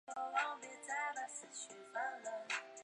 新闻图式是新闻话语分析中的一个范畴。